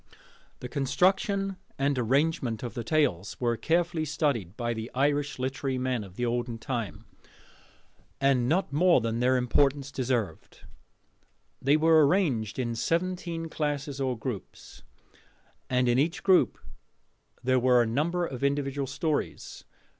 The construction and arrangement of the tales were carefully studied by the Irish literary men of the olden time, and not more than their importance deserved. They were arranged in seventeen classes or groups, and in each group there were a number of individual stories.